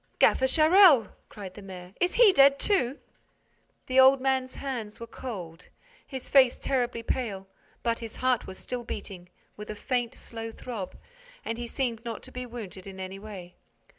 "Gaffer Charel!" cried the mayor. "Is he dead, too?" The old man's hands were cold, his face terribly pale, but his heart was still beating, with a faint, slow throb, and he seemed not to be wounded in any way.